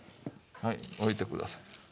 はい置いて下さい。